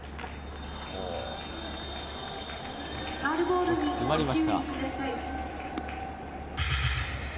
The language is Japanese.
少し詰まりました。